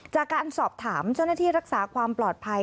จากการสอบถามเจ้าหน้าที่รักษาความปลอดภัย